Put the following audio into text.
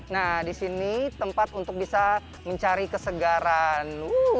nah disini tempat untuk bisa mencari kesegaran